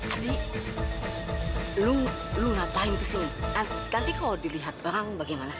adik lu ngapain kesini nanti kalau dilihat orang bagaimana